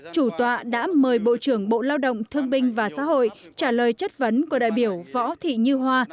chủ tọa đã mời bộ trưởng bộ lao động thương binh và xã hội trả lời chất vấn của đại biểu võ thị như hoa